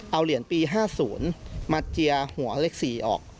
เอาเหรียญปี๕๐มาเจียหัวเลข๔ออก